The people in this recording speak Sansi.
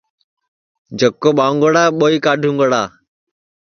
جکو ٻوؤنگڑا ٻُوئی کاٹُونگڑا